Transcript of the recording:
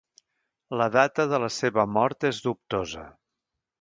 La data de la seva mort és dubtosa.